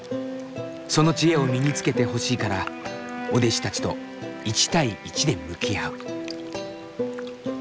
その知恵を身につけてほしいからお弟子たちと１対１で向き合う。